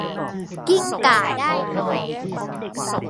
กิ้งก่าได้ทอง